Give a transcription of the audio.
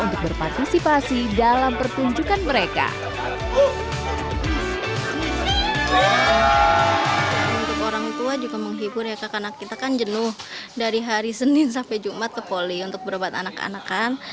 untuk orang tua juga menghibur ya kak anak kita kan jenuh dari hari senin sampai jumat ke poli untuk berobat anak anakan